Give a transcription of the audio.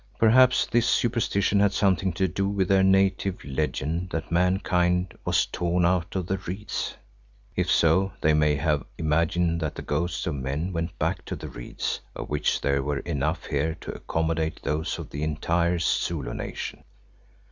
Perhaps this superstition had something to do with their native legend that mankind was "torn out of the reeds." If so, they may have imagined that the ghosts of men went back to the reeds, of which there were enough here to accommodate those of the entire Zulu nation.